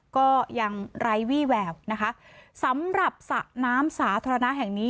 ก็ยังไร้วี่แววนะคะสำหรับสระน้ำสาธารณะแห่งนี้